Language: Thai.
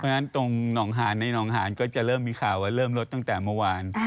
เพราะฉะนั้นตรงหนองหานในหนองหานก็จะเริ่มมีข่าวว่าเริ่มลดตั้งแต่เมื่อวาน